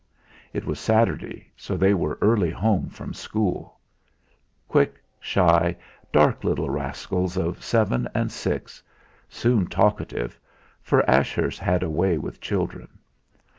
It was Saturday, so they were early home from school; quick, shy, dark little rascals of seven and six, soon talkative, for Ashurst had a way with children.